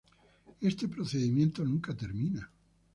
Este procedimiento nunca termina.